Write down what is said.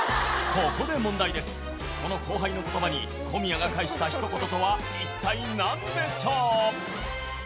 この後輩の言葉に小宮が返したひと言とは一体何でしょう？